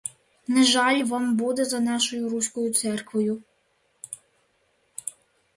Не жаль вам буде за нашою руською церквою?